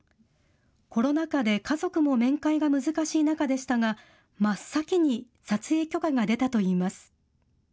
コロナ禍で家族も面会が難しい中でしたが、真っ先に撮影許可が出たといいます。